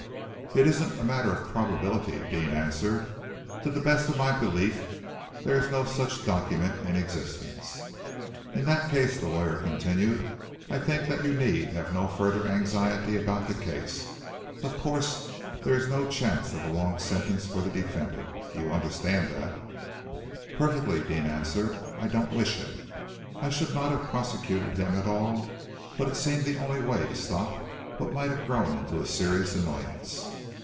"It isn't a matter of probability," Deane answered. "To the best of my belief, there is no such document in existence." "In that case," the lawyer continued, "I think that you need have no further anxiety about the case. Of course, there is no chance of a long sentence for the defendant. You understand that?" "Perfectly," Deane answered. "I don't wish it. I should not have prosecuted him at all, but it seemed the only way to stop what might have grown into a serious annoyance."